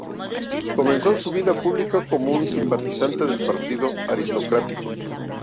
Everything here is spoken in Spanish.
Comenzó su vida pública como un simpatizante del partido aristocrático.